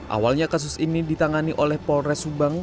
awalnya kasus ini ditangani oleh polres subang